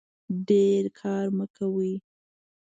ډیر کار مه کوئ